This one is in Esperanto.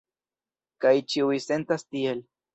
Kaj ĉiuj sentas tiel.